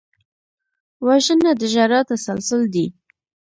وژنه د ژړا تسلسل دی